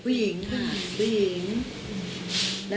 ผู้หญิงค่ะผู้หญิง